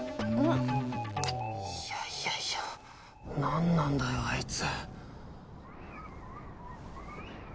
いやいやいやなんなんだよあいつ！